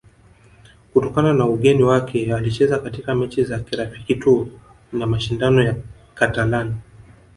kutokana na ugeni wake alicheza katika mechi za kirafiki tu na mashindano ya katalani